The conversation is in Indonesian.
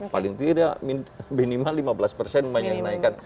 paling tidak minimal lima belas persen main yang naikkan